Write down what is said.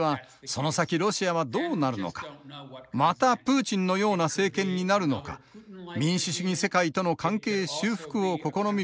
その先ロシアはどうなるのかまたプーチンのような政権になるのか民主主義世界との関係修復を試みるような国家になるのか